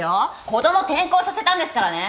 子供転校させたんですからね。